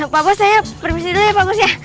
pak bos saya permisi dulu ya pak bos ya